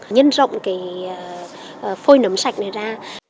nhân rộng cái phôi nấm sạch này ra